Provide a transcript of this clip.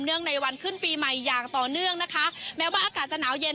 ในวันขึ้นปีใหม่อย่างต่อเนื่องนะคะแม้ว่าอากาศจะหนาวเย็น